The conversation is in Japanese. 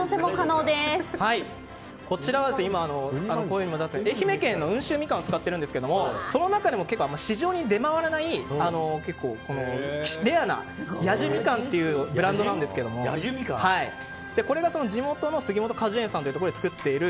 こちらは愛媛県の温州ミカンを使ってるんですけどその中でも市場に出回らないレアな八寿みかんというブランドなんですけどこれが地元の杉本果樹園さんというところで作っている